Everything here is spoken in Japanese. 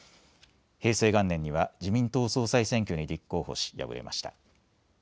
平成元年には自民党総裁選挙に立候補し敗れました。